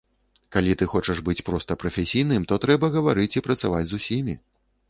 Калі ты хочаш быць проста прафесійным, то трэба гаварыць і працаваць з усімі.